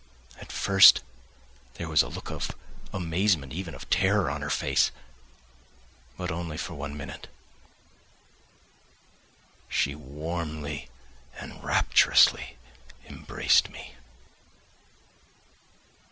At first there was a look of amazement, even of terror on her face, but only for one instant. She warmly and rapturously embraced me.